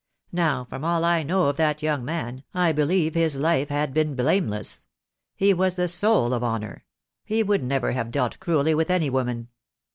Now, from all I know of that young man, I believe his life had been blameless. He was the soul of honour. He would never have dealt cruelly with any woman."